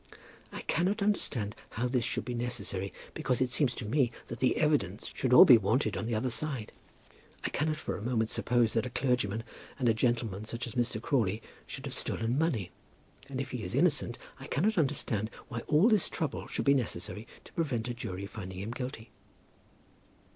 I cannot understand how this should be necessary, because it seems to me that the evidence should all be wanted on the other side. I cannot for a moment suppose that a clergyman and a gentleman such as Mr. Crawley should have stolen money, and if he is innocent I cannot understand why all this trouble should be necessary to prevent a jury finding him guilty.